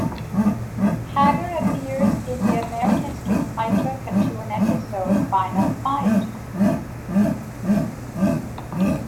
Haggar appears in the American "Street Fighter" cartoon episode "Final Fight".